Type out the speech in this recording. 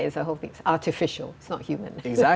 itu adalah hal yang artifisial bukan manusia